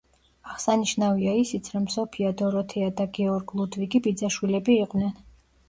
აღსანიშნავია ისიც, რომ სოფია დოროთეა და გეორგ ლუდვიგი ბიძაშვილები იყვნენ.